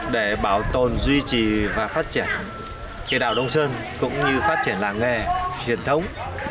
để bảo tồn duy trì và phát triển cây đào đông sơn cũng như phát triển làng nghề truyền thống